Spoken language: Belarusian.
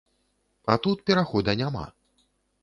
А тут перахода няма.